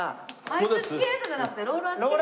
アイススケートじゃなくてローラースケート？